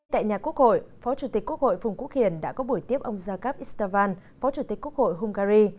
tại nhà quốc hội phó chủ tịch quốc hội phùng quốc hiền đã có buổi tiếp ông jakab istvan phó chủ tịch quốc hội hungary